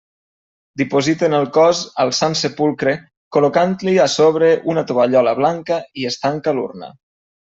Dipositen el cos al Sant Sepulcre, col·locant-li a sobre una tovallola blanca i es tanca l'urna.